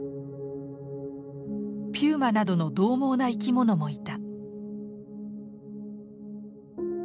ピューマなどのどう猛な生き物もいた。